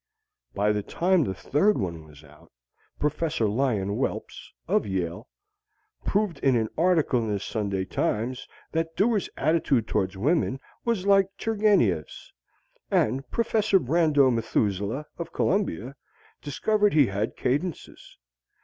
By the time the third one was out, Professor Lion Whelps, of Yale, proved in an article in the Sunday Times, that Dewar's attitude toward women was like Turgeniev's, and Professor Brando Methuseleh, of Columbia, discovered he had cadences.